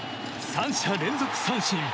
３者連続三振。